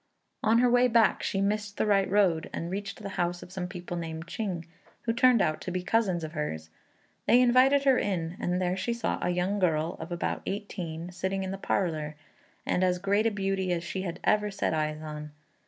On her way back she missed the right road and reached the house of some people named Ching, who turned out to be cousins of hers. They invited her in, and there she saw a young girl of about eighteen sitting in the parlour, and as great a beauty as she had ever set eyes on.